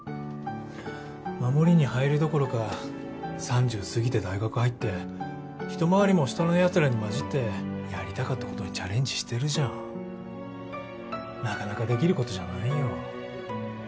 守りに入るどころか３０過ぎて大学入って一回りも下のやつらに交じってやりたかったことにチャレンジしてるじゃんなかなかできることじゃないよ